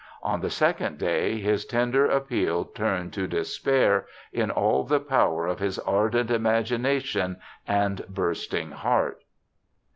On the second day, his tender appeal turned to despair, in all the power of his ardent imagination and bursting heart.'